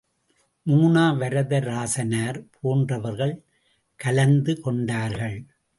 மு. வரதராசனார் போன்றவர்கள் கலந்து கொண்டார்கள்.